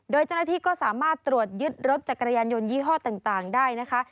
โดยเจ้าหน้าที่ก็สามารถตรวจยึดรถจักรยานยนยี่ห้อต่างได้นะคะ